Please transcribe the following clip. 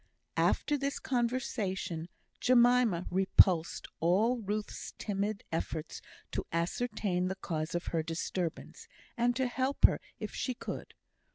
After this conversation, Jemima repulsed all Ruth's timid efforts to ascertain the cause of her disturbance, and to help her if she could.